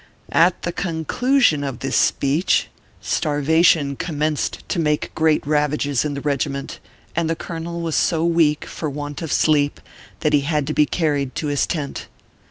At the conclusion of this speech, starvation com menced to make great ravages in the regiment, and the colonel was so weak, for want of sleep, that he had to be carried to his tent.